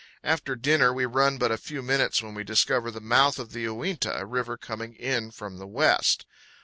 After dinner we run but a few minutes when we discover the mouth of the Uinta, a river coming in from the west.